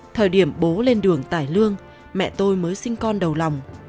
thời điểm bố lên đường tài lương mẹ tôi mới sinh con đầu lòng